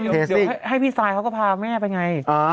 เดี๋ยวให้พี่ซายเขาก็พาแม่ไปไง